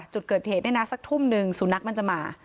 จุดเกิดเหตุได้นะสักทุ่มนึงสูนักมันจะมา